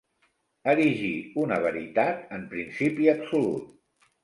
Erigir una veritat en principi absolut.